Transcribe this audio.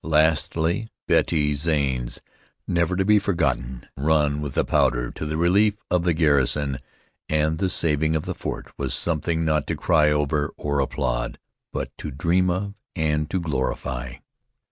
Lastly Betty Zane's never to be forgotten run with the powder to the relief of the garrison and the saving of the fort was something not to cry over or applaud; but to dream of and to glorify.